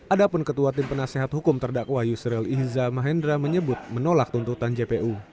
adapun ketua tim penasehat hukum terdakwa yusril ihza mahendra menyebut menolak tuntutan jpu